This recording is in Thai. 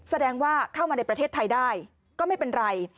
แสดงว่าเข้ามาในประเทศไทยได้ก็ไม่เป็นไร